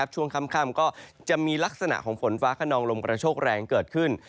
ช่วงค่ำก็จะมีลักษณะของฝนฟ้าขนองลมกระโชคแรงเกิดขึ้น